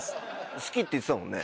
好きって言ってたもんね